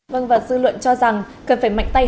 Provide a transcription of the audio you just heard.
vâng và dư luận cho rằng cần phải mạnh tay